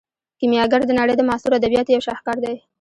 کیمیاګر د نړۍ د معاصرو ادبیاتو یو شاهکار دی.